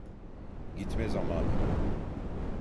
Gitme zamanı.